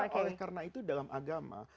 nah oleh karena itu dalam agama